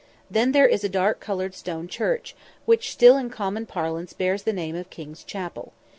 Then there is a dark coloured stone church, which still in common parlance bears the name of King's Chapel.